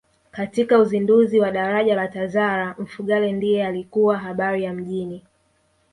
Katika uzinduzi wa daraja la Tazara Mfugale ndiye alikuwa habari ya mjini